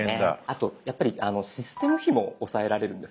あとやっぱりシステム費も抑えられるんですね。